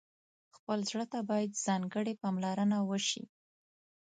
خپل زړه ته باید ځانګړې پاملرنه وشي.